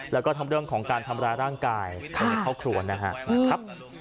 แล้วก็ทำเรื่องของการทำลายร่างกายเข้าครวญนะคะ